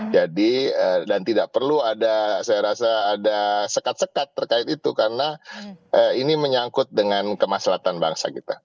jadi dan tidak perlu ada saya rasa ada sekat sekat terkait itu karena ini menyangkut dengan kemaslahan bangsa kita